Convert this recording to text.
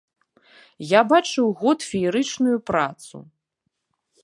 Я бачыў год феерычную працу.